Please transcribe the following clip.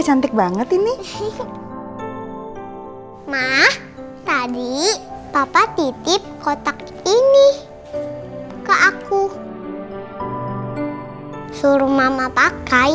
cantik banget ini mah tadi papa titip kotak ini ke aku suruh mama pakai